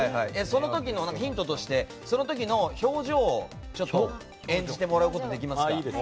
ヒントとしてその時の表情を演じてもらうことってできますか。